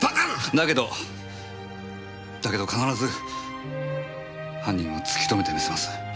だけどだけど必ず犯人は突き止めてみせます。